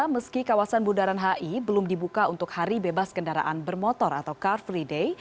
meski kawasan bundaran hi belum dibuka untuk hari bebas kendaraan bermotor atau car free day